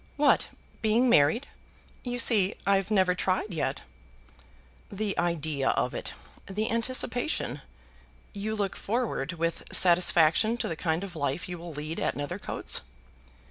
"What, being married? You see I've never tried yet." "The idea of it, the anticipation, You look forward with satisfaction to the kind of life you will lead at Nethercoats?